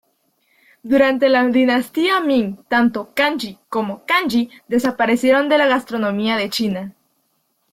Durante la dinastía Ming, tanto 鮨 como 鮓 desaparecieron de la gastronomía de China.